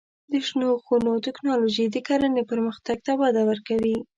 د شنو خونو تکنالوژي د کرنې پرمختګ ته وده ورکوي.